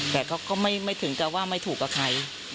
แต่เขาก็ไม่ถึงจะว่าไม่ถูกกับใคร